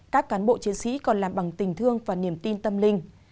các cán bộ chiến sĩ còn làm bằng tình thương và niềm tin tâm linh